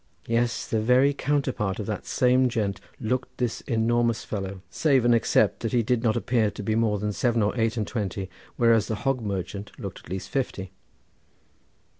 Yes, the very counterpart of the same gent looked this enormous fellow, save and except that he did not appear to be more than seven or eight and twenty, whereas the hog merchant looked at least fifty.